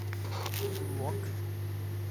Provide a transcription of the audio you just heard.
Uruoca